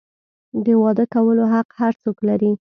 د واده کولو حق هر څوک لري.